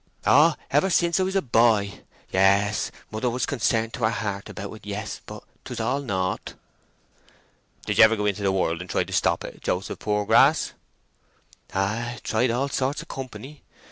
"Oh, ever since I was a boy. Yes—mother was concerned to her heart about it—yes. But 'twas all nought." "Did ye ever go into the world to try and stop it, Joseph Poorgrass?" "Oh ay, tried all sorts o' company.